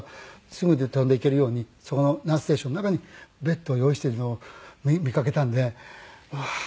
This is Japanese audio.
すぐで飛んでいけるようにそこのナースステーションの中にベッドを用意してるのを見かけたんでうわー